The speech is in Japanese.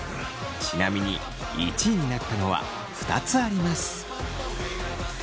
ちなみに１位になったのは２つあります。